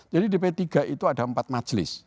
jadi di p tiga itu ada empat majelis